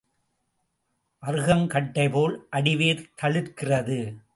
அறுகங் கட்டைபோல் அடிவேர் தளிர்க்கிறது.